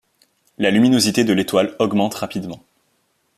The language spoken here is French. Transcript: La luminosité de l'étoile augmente rapidement.